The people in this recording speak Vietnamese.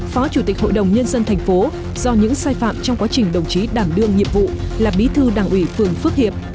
phó chủ tịch hội đồng nhân dân thành phố do những sai phạm trong quá trình đồng chí đảm đương nhiệm vụ là bí thư đảng ủy phường phước hiệp